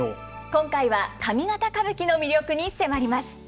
今回は上方歌舞伎の魅力に迫ります。